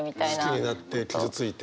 好きになって傷ついて。